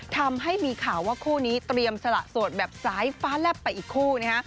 ทำให้มีข่าวว่าคู่นี้เตรียมสละโสดแบบสายฟ้าแลบไปอีกคู่นะฮะ